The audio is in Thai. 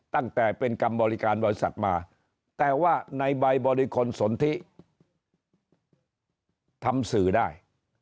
ตั้งแต่เป็นกรรมบริการบริษัทมาแต่ว่าในใบบริคลสนทิทำสื่อได้